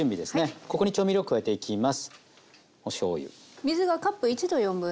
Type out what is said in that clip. ここに調味料加えていきます。